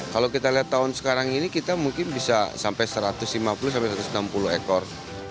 kalau kita lihat tahun sekarang ini kita mungkin bisa sampai satu ratus lima puluh sampai satu ratus enam puluh ekor